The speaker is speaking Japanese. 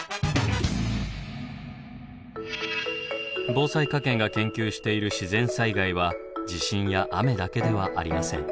防災科研が研究している自然災害は地震や雨だけではありません。